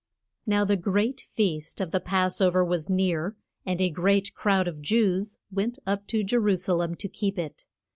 NOW the great feast of the Pass o ver was near, and a great crowd of Jews went up to Je ru sa lem to keep it.